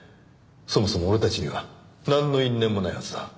そもそも俺たちにはなんの因縁もないはずだ。